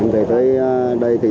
về tới đây